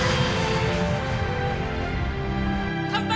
乾杯！